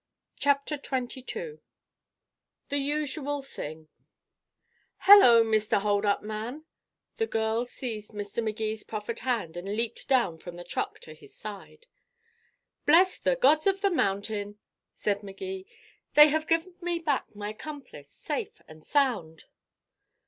CHAPTER XXII THE USUAL THING "Hello, Mr. Hold up Man!" The girl seized Mr. Magee's proffered hand and leaped down from the truck to his side. "Bless the gods of the mountain," said Magee; "they have given me back my accomplice, safe and sound."